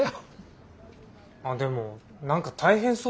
あっでも何か大変そうすよ。